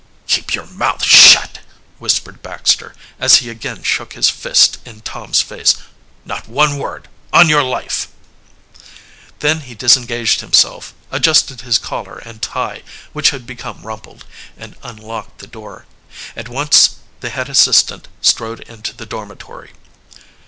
"Keep your mouth shut!" whispered Baxter, as he again shook his fist in Tom's face. "Not one word on your life!" Then he disengaged himself, adjusted his collar and tie, which had become rumpled, and unlocked the door. At once the head assistant strode into the dormitory.